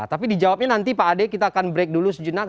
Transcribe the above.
tapi dijawabnya nanti pak ade kita akan break dulu sejenak